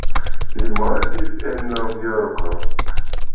Li mortis en Novjorko.